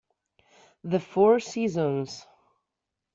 The Four Seasons